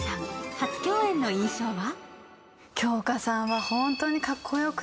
初共演の印象は？